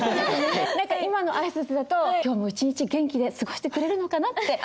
何か今の挨拶だと今日も一日元気で過ごしてくれるのかなって思える。